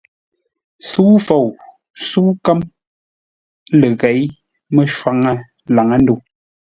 Sə́u Fou, sə́u Nkə̌m ləghěi mə́shwáŋə laŋə́-ndə̂u.